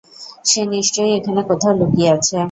সে নিশ্চয়ই এখানে কোথাও লুকিয়ে আছে।